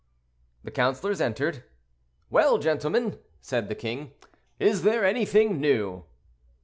The councilors entered. "Well, gentlemen," said the king, "is there anything new?"